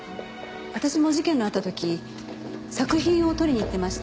私も事件のあった時作品を取りに行ってました。